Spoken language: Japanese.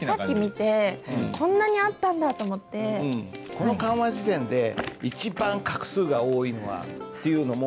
この漢和辞典で一番画数が多いのはっていうのも。